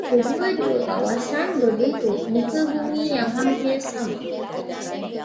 Kedua-dua kawasan berbentuk muka bumi yang hampir sama.